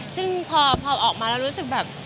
ซึ่งพอออกมาแล้วรู้สึกแบบ